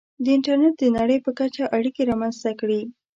• انټرنېټ د نړۍ په کچه اړیکې رامنځته کړې.